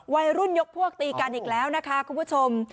วัยรุ่นยกพวกตีกันอีกแล้วนะคะคุณผู้ชม